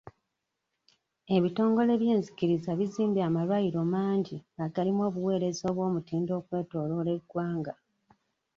Ebitongole by'enzikiriza bizimbye amalwaliro mangi agalimu obuweereza obw'omutindo okwetooloola eggwanga.